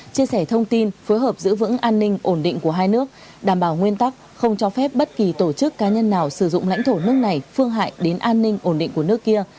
chia sẻ thông tin phối hợp giữ vững an ninh ổn định của hai nước đảm bảo nguyên tắc không cho phép bất kỳ tổ chức cá nhân nào sử dụng lãnh thổ nước này phương hại đến an ninh ổn định của nước kia